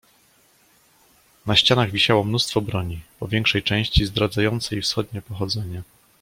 "Na ścianach wisiało mnóstwo broni, po większej części zdradzającej wschodnie pochodzenie."